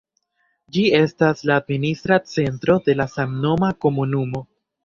Ĝi estas la administra centro de la samnoma komunumo.